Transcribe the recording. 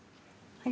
はい。